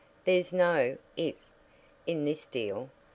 "There's no 'if' in this deal.